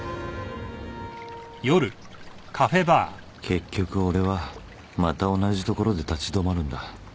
結局俺はまた同じところで立ち止まるんだ。